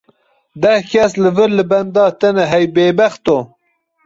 Deh kes li vir li benda te ne hey bêbexto.